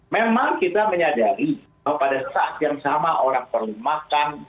memang kita menyadari bahwa pada saat yang sama orang perlu makan